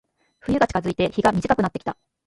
冬が近づいて、日が短くなってきた。